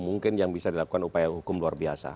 mungkin yang bisa dilakukan upaya hukum luar biasa